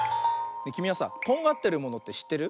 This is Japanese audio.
きみはさとんがってるものってしってる？